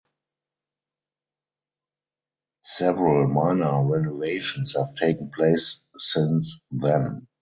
Several minor renovations have taken place since then.